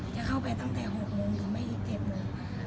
จะเข้าไปตั้งแต่หกโมงถึงไม่อีกเจ็ดโมง